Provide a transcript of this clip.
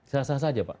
sah sah saja pak